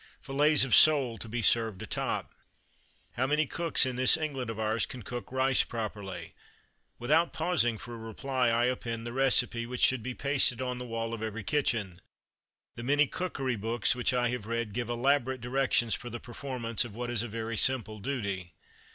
Fillets of sole to be served atop. How many cooks in this England of ours can cook rice properly? Without pausing for a reply, I append the recipe, which should be pasted on the wall of every kitchen. The many cookery books which I have read give elaborate directions for the performance, of what is a very simple duty.